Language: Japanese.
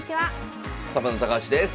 サバンナ高橋です。